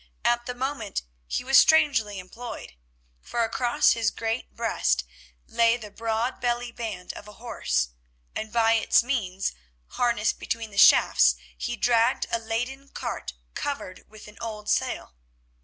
At the moment he was strangely employed, for across his great breast lay the broad belly band of a horse, and by its means, harnessed between the shafts, he dragged a laden cart covered with an old sail.